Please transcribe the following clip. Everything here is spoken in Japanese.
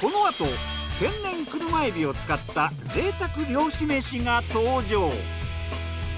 このあと天然クルマエビを使った贅沢漁師めしが登場。